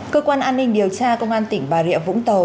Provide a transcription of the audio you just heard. cơ quan an ninh điều tra công an tỉnh bà rịa vũng tàu